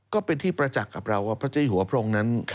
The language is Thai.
ก็เป็นที่ประจักษ์กับเราว่าพระเจ้าหัวพระองค์นั้น